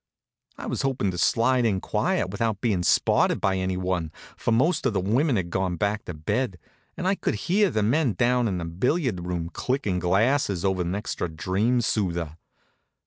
I was hopin' to slide in quiet, without bein' spotted by anyone, for most of the women had gone back to bed, and I could hear the men down in the billiard room clickin' glasses over an extra dream soother.